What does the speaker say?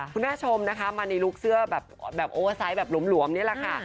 คุณผู้ชมนะคะมาในลุคเสื้อแบบโอเวอร์ไซต์แบบหลวมนี่แหละค่ะ